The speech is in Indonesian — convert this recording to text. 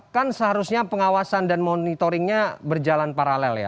kan seharusnya pengawasan dan monitoringnya berjalan paralel ya